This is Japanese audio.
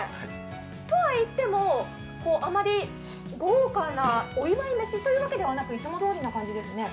とはいっても、あまり豪華なお祝い飯というわけではなくいつもどおりの感じですね？